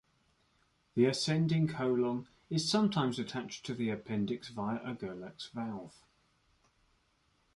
The ascending colon is sometimes attached to the appendix via Gerlach's valve.